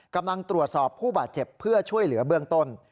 กำลังตรวจสอบผู้บาดเจ็บเพื่อช่วยเหลือเบื้องต้น